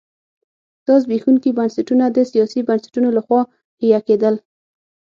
دا زبېښونکي بنسټونه د سیاسي بنسټونو لخوا حیه کېدل.